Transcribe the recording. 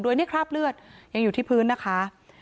โดยนี่คราบเลือดยังอยู่ที่พื้นนะคะ